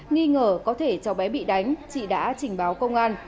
nghi ngờ có thể cháu bé bị đánh chị đã trình báo công an